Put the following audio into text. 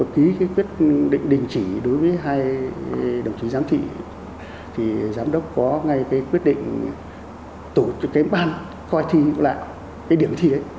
trước định chỉ đối với hai đồng chí giám thị thì giám đốc có ngay cái quyết định tổ chức cái ban coi thi lại cái điểm thi đấy